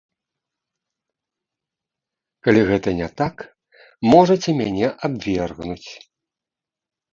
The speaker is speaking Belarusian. Калі гэта не так, можаце мяне абвергнуць.